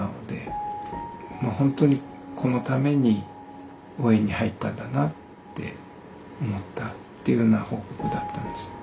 まあ本当にこのために応援に入ったんだなって思ったっていうような報告だったんです。